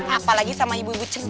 apalagi sama ibu ibu cinta